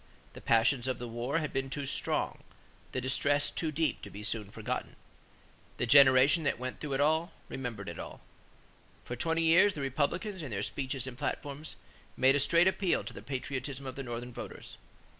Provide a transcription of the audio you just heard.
The passions of the war had been too strong; the distress too deep to be soon forgotten. The generation that went through it all remembered it all. For twenty years, the Republicans, in their speeches and platforms, made "a straight appeal to the patriotism of the Northern voters."